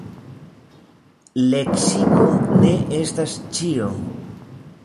Leksiko ne estas ĉio.